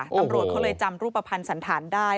ตำรวจเขาเลยจำรูปภัณฑ์สันธารได้